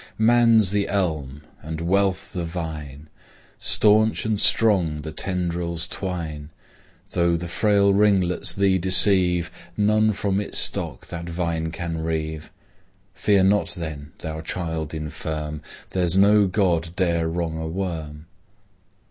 Man's the elm, and Wealth the vine, Stanch and strong the tendrils twine: Though the frail ringlets thee deceive, None from its stock that vine can reave. Fear not, then, thou child infirm, There's no god dare wrong a worm.